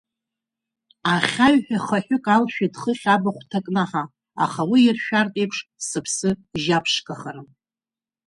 Ахьаҩҳәа хаҳәык алшәеит хыхь абахә ҭакнаҳа, аха уи иаршәартә еиԥш сыԥсы жьаԥшқарахым.